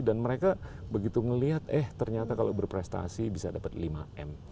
dan mereka begitu melihat eh ternyata kalau berprestasi bisa dapat lima m